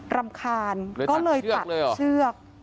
รำคาญก็เลยตัดเชือก